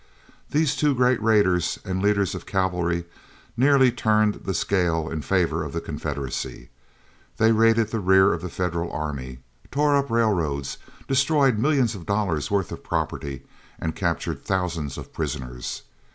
These two great raiders and leaders of cavalry nearly turned the scale in favor of the Confederacy. They raided the rear of the Federal army, tore up railroads, destroyed millions of dollars' worth of property, and captured thousands of prisoners.